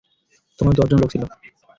তোমার দশজন লোক ছিল।